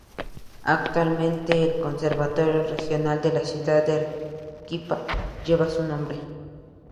Actualmente, el Conservatorio Regional de la ciudad de Arequipa lleva su nombre.